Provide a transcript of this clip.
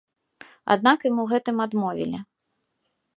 Аднак ім у гэтым адмовілі.